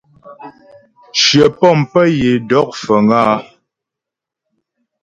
Shyə pɔ̂m pə́ yə é dɔk fəŋ áa.